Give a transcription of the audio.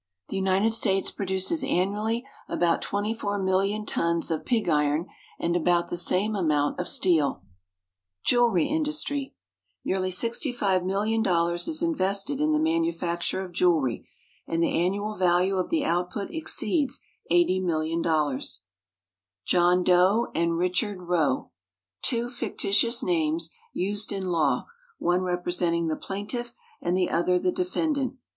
= The United States produces annually about 24,000,000 tons of pig iron and about the same amount of steel. =Jewelry Industry.= Nearly $65,000,000 is invested in the manufacture of jewelry, and the annual value of the output exceeds $80,000,000. =John Doe and Richard Roe.= Two fictitious names, used in law, one representing the plaintiff and the other the defendant.